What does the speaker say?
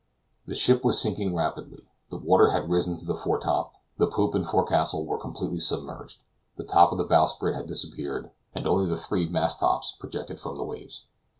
The ship was sinking rapidly; the water had risen to the fore top; the poop and forecastle were completely submerged; the top of the bowsprit had disappeared, and only the three mast tops projected from the waves.